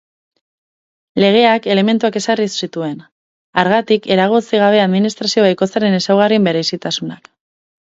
Legeak elementuak ezarri zituen, hargatik eragotzi gabe administrazio bakoitzaren ezaugarrien berezitasunak.